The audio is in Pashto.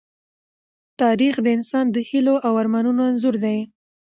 تاریخ د انسان د هيلو او ارمانونو انځور دی.